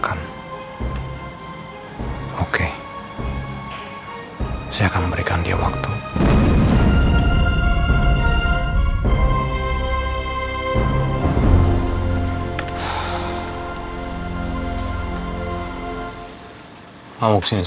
kalau aku nggak mau nanti mama sedih